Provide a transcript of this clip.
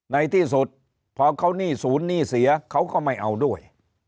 ในที่สุดพอเขาหนี้ศูนย์หนี้เสียเขาก็ไม่เอาด้วย